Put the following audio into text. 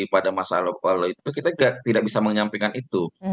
kalau itu kita tidak bisa menyampaikan itu